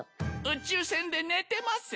宇宙船で寝てます。